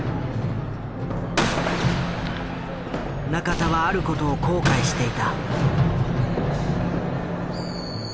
仲田はある事を後悔していた。